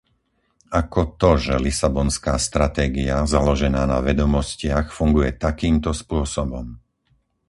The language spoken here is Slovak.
Ako to, že lisabonská stratégia založená na vedomostiach funguje takýmto spôsobom?